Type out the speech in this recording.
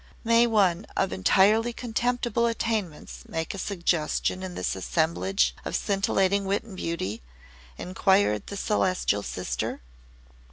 '" "May one of entirely contemptible attainments make a suggestion in this assemblage of scintillating wit and beauty?" inquired the Celestial Sister.